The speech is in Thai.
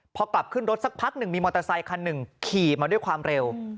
พอกลับขึ้นรถสักพักหนึ่งมีมอเตอร์ไซคันหนึ่งขี่มาด้วยความเร็ว